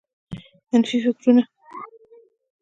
منفي فکرونه